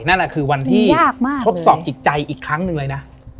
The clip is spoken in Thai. นั่นแหละคือวันที่ทดสอบจิตใจอีกครั้งหนึ่งเลยนะ